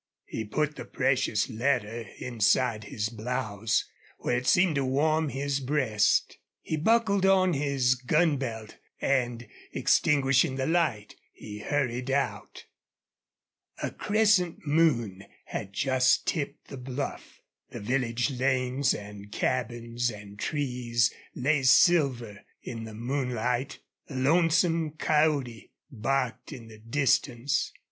He put the precious letter inside his blouse, where it seemed to warm his breast. He buckled on his gun belt, and, extinguishing the light, he hurried out. A crescent moon had just tipped the bluff. The village lanes and cabins and trees lay silver in the moon light. A lonesome coyote barked in the distance.